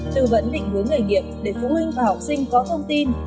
tư vấn định hướng nghề nghiệp để phụ huynh và học sinh có thông tin